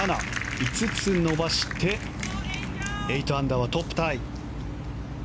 ５つ伸ばして８アンダーはトップタイ。